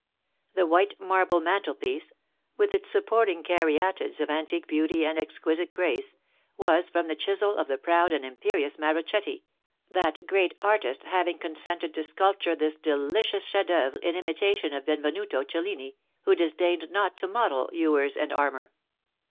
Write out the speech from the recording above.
The white marble mantelpiece, with its supporting caryatides of antique beauty and exquisite grace, was from the chisel of the proud and imperious Marochetti, that great artist having consented to sculpture this delicious chef d'oeuvre in imitation of Benvenuto Cellini, who disdained not to model ewers and armour.